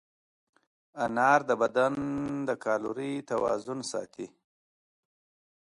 انار د بدن د کالورۍ توازن ساتي.